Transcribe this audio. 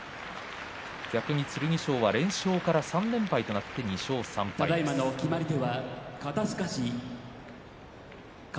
剣翔は連勝から３連敗となって２勝３敗です。